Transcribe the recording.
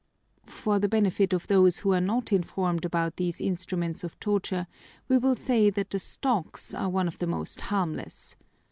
For the benefit of those who are not informed about these instruments of torture, we will say that the stocks are one of the most harmless.